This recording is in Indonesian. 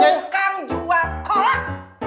tukang jual kolam